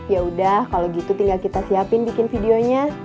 yaudah kalau gitu tinggal kita siapin bikin videonya